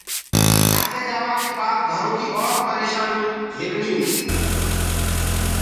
يهآنٚدي جآوآ ڪي بآد گھرو ڪيٚ اور پريشآنيٚون جھيلڻينٚ